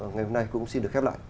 ngày hôm nay cũng xin được khép lại